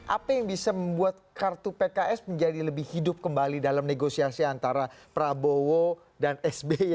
apa yang bisa membuat kartu pks menjadi lebih hidup kembali dalam negosiasi antara prabowo dan sby